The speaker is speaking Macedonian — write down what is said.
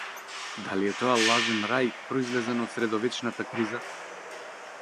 Дали е тоа лажен рај, произлезен од средовечната криза?